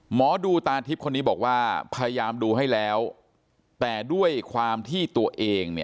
หมอดูตาทิพย์คนนี้บอกว่าพยายามดูให้แล้วแต่ด้วยความที่ตัวเองเนี่ย